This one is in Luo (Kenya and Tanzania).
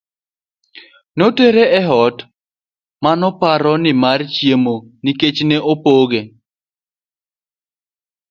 notere e ot manoparo ni mar chiemo nikech ne opoge